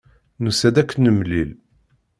Nusa-d ad k-nemlil.